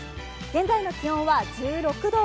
現在の気温は１６度。